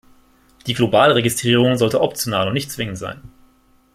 Die Globalregistrierung sollte optional und nicht zwingend sein.